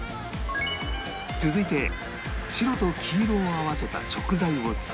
続いて白と黄色を合わせた食材を作り